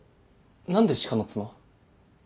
何で鹿の角？